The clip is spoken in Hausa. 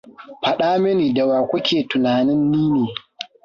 Faɗa mini da wa ku ke tunanin ni ne.